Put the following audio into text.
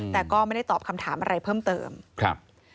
แต่ก็ไม่ได้ตอบคำถามอะไรเพิ่มเติมครับ